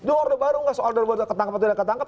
orde baru nggak soal dan berdua ketangkep atau tidak ketangkep